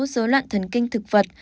sáu rối loạn thần kinh thực vật